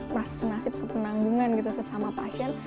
merasa senasib sepenanggungan sesama pasien